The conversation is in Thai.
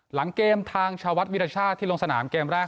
หลังเกมทางชาวัดวิรชาติที่ลงสนามเกมแรก